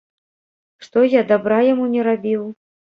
Што, я дабра яму не рабіў?